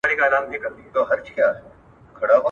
ترتیب د کار کیفیت لوړوي.